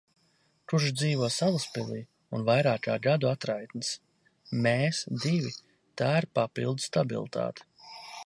Kurš dzīvo Salaspilī un vairāk kā gadu atraitnis. Mēs—divi, tā ir papildu stabilitāte.